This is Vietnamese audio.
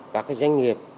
các cái doanh nghiệp